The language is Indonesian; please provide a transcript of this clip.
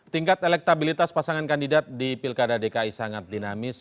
tingkat elektabilitas pasangan kandidat di pilkada dki sangat dinamis